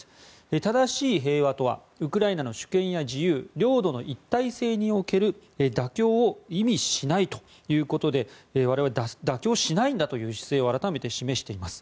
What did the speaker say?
正しい平和とは、ウクライナの主権や自由領土の一体性における妥協を意味しないということで、我々は妥協しないんだという姿勢を改めて示しています。